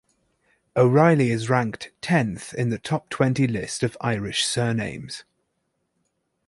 O'Reilly is ranked tenth in the top twenty list of Irish surnames.